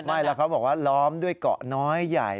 ไม่แล้วเขาบอกว่าล้อมด้วยเกาะน้อยใหญ่